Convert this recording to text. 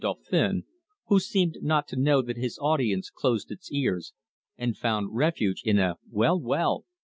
Dauphin, who seemed not to know that his audience closed its ears and found refuge in a "Well, well!"